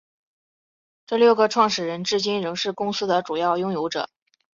这六个创始人至今仍是公司的主要拥有者。